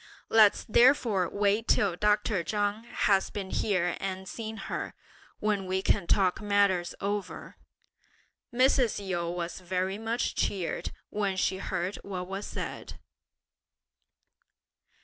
Let's therefore wait till Dr. Chang has been here and seen her, when we can talk matters over!" Mrs. Yu was very much cheered when she heard what was said.